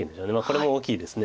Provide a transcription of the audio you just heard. これも大きいです。